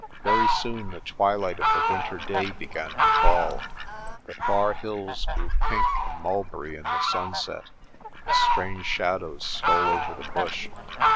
Very soon the twilight of the winter day began to fall. The far hills grew pink and mulberry in the sunset, and strange shadows stole over the bush.